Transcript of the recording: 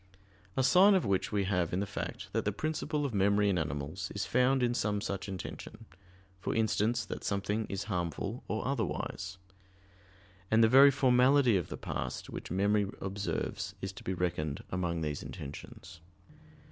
A sign of which we have in the fact that the principle of memory in animals is found in some such intention, for instance, that something is harmful or otherwise. And the very formality of the past, which memory observes, is to be reckoned among these intentions.